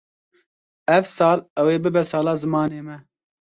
Ev sal ew ê bibe sala zimanê me.